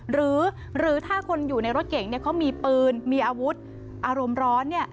หรือถ้าคนอยู่ในรถเก่งเขามีปืนมีอาวุธอารมณ์ร้อน